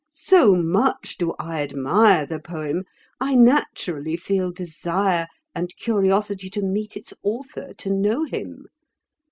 So much do I admire the poem, I naturally feel desire and curiosity to meet its author, to know him.